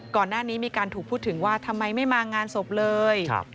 ก่อนหน้านี้มีการถูกพูดถึงว่าทำไมไม่มางานศพเลย